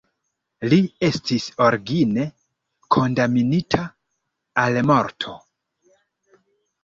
Li estis origine kondamnita al morto.